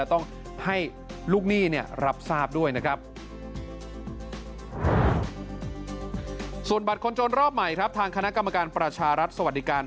ต้องให้ลูกหนี้เนี่ยรับทราบด้วยนะครับส่วนบัตรคนจนรอบใหม่ครับทางคณะกรรมการประชารัฐสวัสดิการ